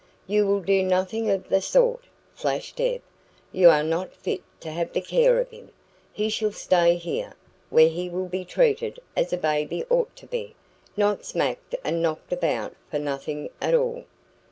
"You will do nothing of the sort," flashed Deb. "You are not fit to have the care of him. He shall stay here, where he will be treated as a baby ought to be not smacked and knocked about for nothing at all."